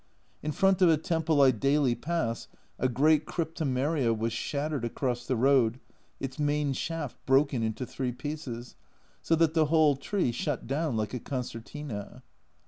In front of a temple I daily pass, a great cryptomeria was shattered across the road, its main shaft broken into three pieces, so that the whole tree shut down like a concertina.